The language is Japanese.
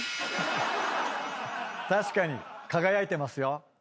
確かに輝いてますよ。